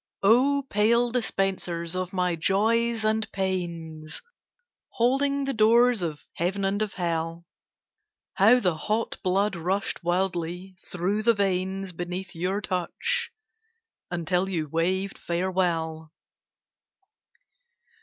Oh, pale dispensers of my Joys and Pains, Holding the doors of Heaven and of Hell, How the hot blood rushed wildly through the veins Beneath your touch, until you waved farewell.